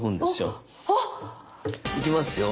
いきますよ。